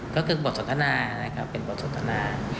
ก็คือบทสนทนานะครับเป็นบทสนทนา